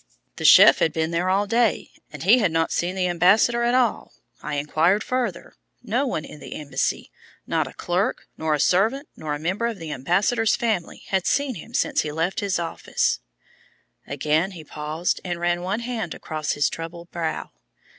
The chef had been there all day, and he had not seen the ambassador at all. I inquired further. No one in the embassy, not a clerk, nor a servant, nor a member of the ambassador's family had seen him since he left his office." Again he paused and ran one hand across his troubled brow.